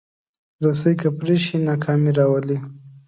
رسۍ که پرې شي، ناکامي راولي.